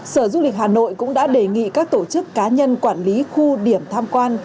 sở du lịch hà nội cũng đã đề nghị các tổ chức cá nhân quản lý khu điểm tham quan